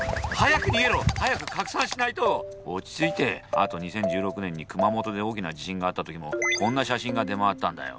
あと２０１６年に熊本で大きな地震があった時もこんな写真が出回ったんだよ。